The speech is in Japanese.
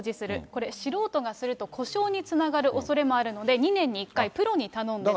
これ、素人がすると、故障につながるおそれもあるので、２年に１回、プロに頼んで。